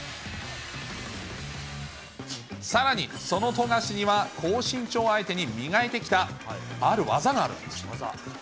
さらに、その富樫には、高身長相手に磨いてきた、ある技があるんです。